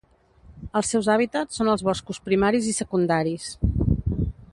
Els seus hàbitats són els boscos primaris i secundaris.